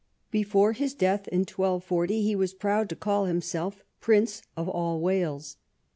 Before his death in 1240 he was proud to call himself prince of all Wales.